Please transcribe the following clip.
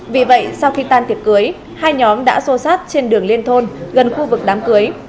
vì vậy sau khi tan tiệc cưới hai nhóm đã xô sát trên đường liên thôn gần khu vực đám cưới